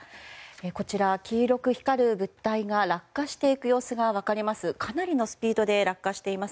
こちら、黄色く光る物体が落下していく様子が分かります。